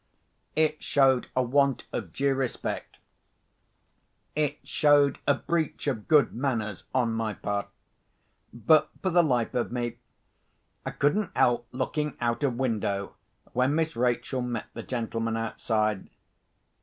It showed a want of due respect, it showed a breach of good manners, on my part, but, for the life of me, I couldn't help looking out of window when Miss Rachel met the gentlemen outside.